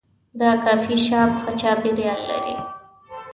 دا کافي شاپ ښه چاپیریال لري.